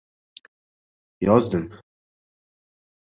— Yozdim.